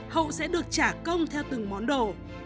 hậu sẽ được trả công theo từng món đồ